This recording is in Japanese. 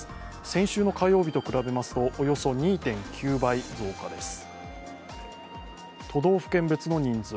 先週の火曜日と比べますとおよそ２．９倍増加です。